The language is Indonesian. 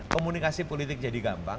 komunikasi politik jadi gampang